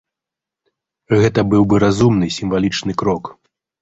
Гэта быў бы разумны сімвалічны крок.